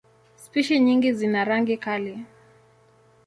Spishi nyingi zina rangi kali.